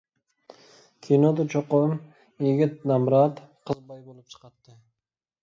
كىنودا چوقۇم يىگىت نامرات، قىز باي بولۇپ چىقاتتى.